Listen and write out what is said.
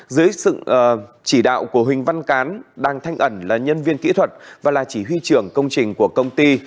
dưới sự chỉ đạo của huỳnh văn cán đang thanh ẩn là nhân viên kỹ thuật và là chỉ huy trưởng công trình của công ty